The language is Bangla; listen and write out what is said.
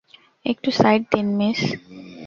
একটু সাইড দিন, মিস।